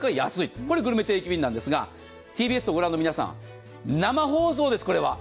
これ、グルメ定期便なんですが、ＴＢＳをご覧の皆さん、生放送です、これは。